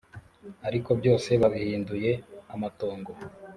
ariko byose babihinduye amatongo.